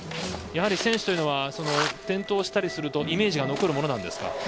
選手というのは転倒したりするとイメージが残るものなんですか？